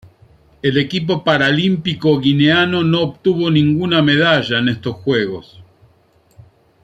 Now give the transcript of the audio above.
El equipo paralímpico guineano no obtuvo ninguna medalla en estos Juegos.